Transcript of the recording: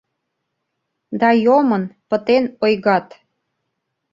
Да йомын, пытен ойгат.